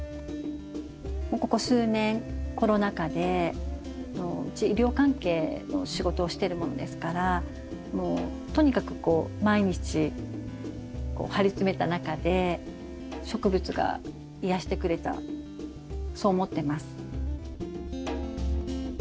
ここ数年コロナ禍でうち医療関係の仕事をしてるものですからもうとにかくこう毎日張り詰めた中で植物が癒やしてくれたそう思ってます。